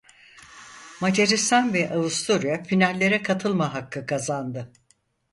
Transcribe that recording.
Macaristan ve Avusturya finallere katılma hakkı kazandı.